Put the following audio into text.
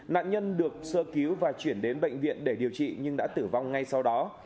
nạn nhân được sơ cứu và chuyển đến bệnh viện để điều trị nhưng đã tử vong ngay sau đó